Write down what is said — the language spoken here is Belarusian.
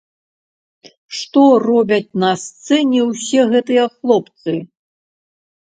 Што робяць на сцэне ўсе гэтыя хлопцы?